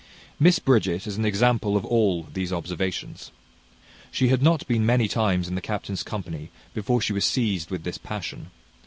Miss Bridget is an example of all these observations. She had not been many times in the captain's company before she was seized with this passion.